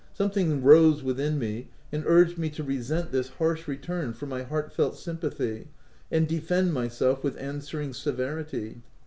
Something rose within me, and urged me to resent this harsh return for my heartfelt sym pathy, and defend myself with answering severity.